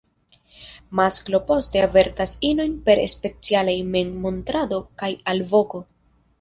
Masklo poste avertas inojn per specialaj memmontrado kaj alvoko.